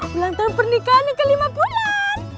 belang tahun pernikahan yang kelima bulan